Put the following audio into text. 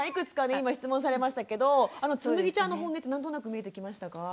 今質問されましたけどつむぎちゃんのホンネって何となく見えてきましたか？